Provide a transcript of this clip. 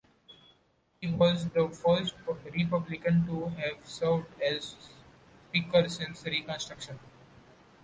He was the first Republican to have served as Speaker since Reconstruction.